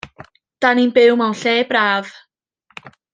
'Dan i'n byw mewn lle braf.